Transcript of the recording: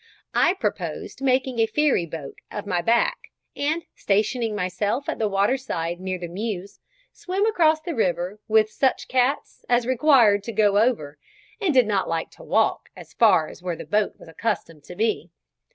I proposed making a ferry boat of my back, and, stationing myself at the waterside near the "Mews," swim across the river with such cats as required to go over and did not like to walk as far as where the boat was accustomed to be.